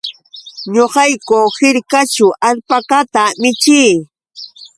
Ñuqayku hirkaćhu alpakata michii.